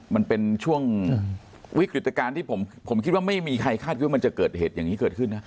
มันเป็นช่วงวิกฤตการณ์ที่ผมคิดว่าไม่มีใครคาดคิดว่ามันจะเกิดเหตุอย่างนี้เกิดขึ้นนะ